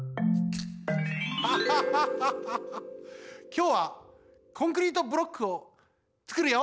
ハハハハきょうはコンクリートブロックをつくるよ！